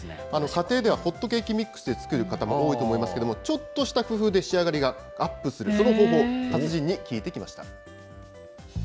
家庭ではホットケーキミックスで作る方も多いと思いますけれども、ちょっとした工夫で仕上がりがアップする、その方法、達人に聞いてきました。